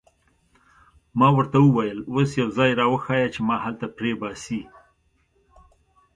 ما ورته وویل: اوس یو ځای را وښیه چې ما هلته پرېباسي.